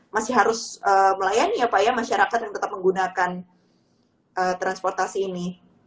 masih harus melayani ya pak ya masyarakat yang tetap menggunakan transportasi ini